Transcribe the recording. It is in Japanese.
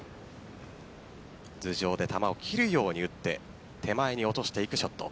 頭上で球を切るように打って手前に落としていくショット。